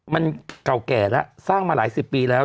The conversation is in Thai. มันเก่าแก่แล้วสร้างมาหลายสิบปีแล้ว